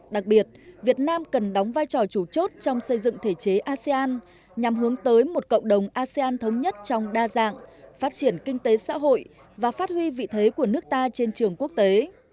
đặc biệt việt nam cần đóng vai trò chủ chốt trong xây dựng thể chế asean nhằm hướng tới một cộng đồng asean thống nhất trong đa dạng phát triển kinh tế xã hội và phát huy vị thế của nước ta trên trường quốc tế